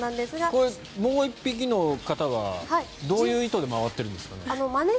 これ、もう１匹の方はどういう意図で回っているんですかね。